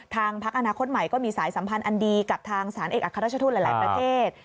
พักอนาคตใหม่ก็มีสายสัมพันธ์อันดีกับทางสารเอกอัครราชทูตหลายประเทศ